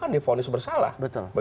kan difonis bersalah